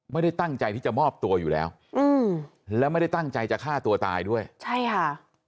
ไม่ได้ตั้งใจที่จะมอบตัวอยู่แล้วอืมแล้วไม่ได้ตั้งใจจะฆ่าตัวตายด้วยใช่ค่ะ